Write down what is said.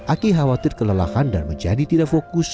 aki khawatir kelelahan dan menjadi tidak fokus